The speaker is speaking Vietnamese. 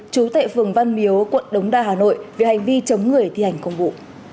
chú tệ phường văn miếu quận đống đa hà nội về hành vi chống người thi hành công vụ